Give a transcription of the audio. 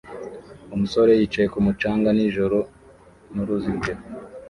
Umusore yicaye kumucanga nijoro nuruzitiro